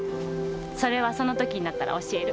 それはその時になったら教える。